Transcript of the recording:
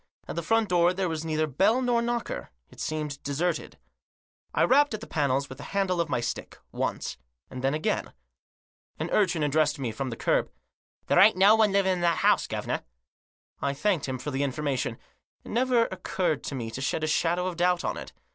At the front door there was neither bell nor knocker. It seemed deserted. I Digitized by COUNSEL'S OPINION. 161 rapped at the panels with the handle of my stick ; once, and then again. An urchin addressed me from the kerb. " There aint no one living in that 'ouse, guv*nor." I thanked him for the information ; it never occurred to me to shed a shadow of doubt on it.